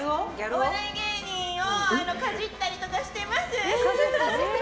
お笑い芸人をかじったりとかしてます。